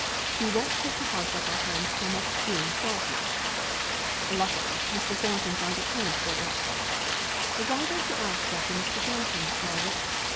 He won't take the house off our hands till next June twelve month. Luckily, Mr. Thornton found a tenant for it. Why don't you ask after Mr. Thornton, Margaret?